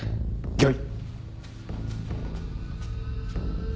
御意。